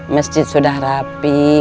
masjid sudah rapi